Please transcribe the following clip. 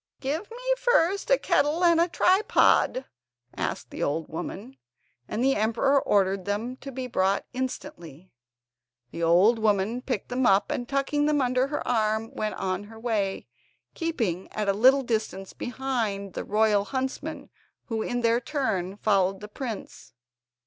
"Give me first a kettle and a tripod," asked the old w omen, and the emperor ordered them to be brought instantly. The old woman picked them up, and tucking them under her arm went on her way, keeping at a little distance behind the royal huntsmen, who in their turn followed the prince.